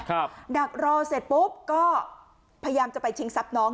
ดักรอเสร็จปุ๊บก็พยายามจะไปชิงทรัพย์น้อง